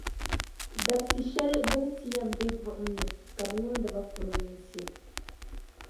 Dabsi’ shεli bɛ ni yɛn ti be buɣumni, kabɛ niŋdi ba furminsi.